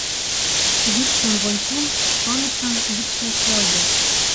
Вӱдшым вончем, шонышым — вӱдшӧ келге